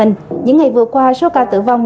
những ngày vừa qua số ca tử vong